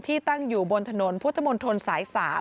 ที่ตั้งอยู่บนถนนพุทธมณฑลสาย๓